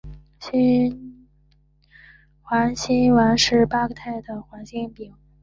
环辛烷是八个碳的环烷烃。